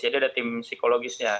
jadi ada tim psikologisnya